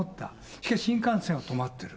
しかし新幹線は止まってる。